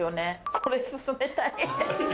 これ薦めたい。